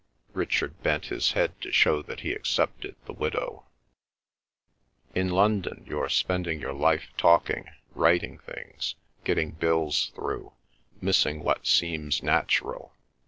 Richard bent his head to show that he accepted the widow. "In London you're spending your life, talking, writing things, getting bills through, missing what seems natural.